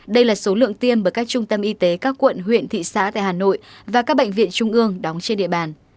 đây là số lượng tiêm bởi các trung tâm y tế các quận huyện thị xã tại hà nội và các bệnh viện trung ương đóng trên địa bàn